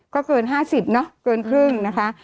ก็เกิน๕๐เนอะเกินครึ่งนะคะ